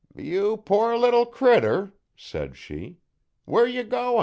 'You poor little critter,' said she, 'where you goin'?'